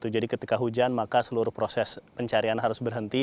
jadi ketika hujan maka seluruh proses pencarian harus berhenti